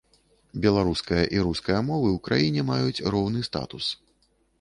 Беларуская і руская мовы ў краіне маюць роўны статус.